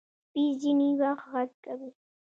سپي ځینې وخت غږ کوي.